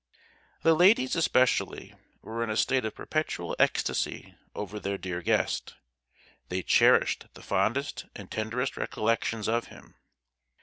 The ladies, especially, were in a state of perpetual ecstasy over their dear guest. They cherished the fondest and tenderest recollections of him.